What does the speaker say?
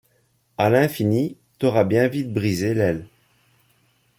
À l’infini, t’aura bien vite brisé l’aile.